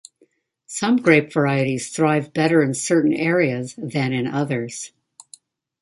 Some grape varieties thrive better in certain areas than in others.